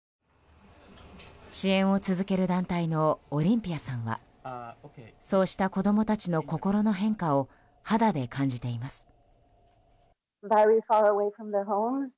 支援を続ける団体のオリンピアさんはそうした子供たちの心の変化を肌で感じています。